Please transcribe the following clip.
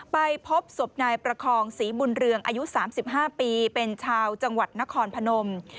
ไปพบศพนายประคองศรีบุญเรืองอายุ๓๕ปีเป็นชาวจังหวัดนครพนม